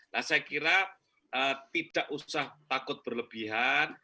nah saya kira tidak usah takut berlebihan